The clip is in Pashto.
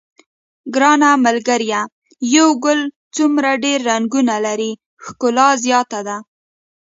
ګرانه ملګریه یو ګل څومره ډېر رنګونه لري ښکلا زیاته ده.